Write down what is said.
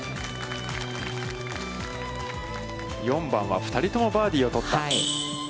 ４番は２人ともバーディーを取った。